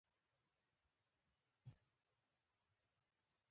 څلورمه اصلي موضوع مې پښتو شاعرۍ